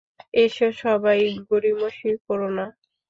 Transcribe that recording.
এসো সবাই, গড়িমসি করো না।